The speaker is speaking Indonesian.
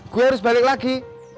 gue harus balik lagi